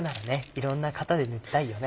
いろんな型で抜きたいよね。